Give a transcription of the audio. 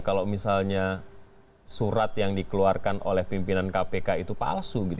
kalau misalnya surat yang dikeluarkan oleh pimpinan kpk itu palsu gitu